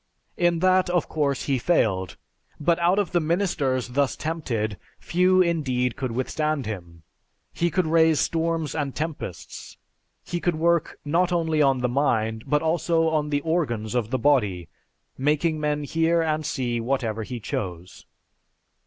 In that, of course, he failed; but out of the ministers thus tempted, few indeed could withstand him. He could raise storms and tempests. He could work, not only on the mind, but also on the organs of the body, making men hear and see whatever he chose.